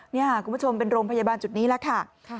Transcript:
นี่ค่ะคุณผู้ชมเป็นโรงพยาบาลจุดนี้แล้วค่ะ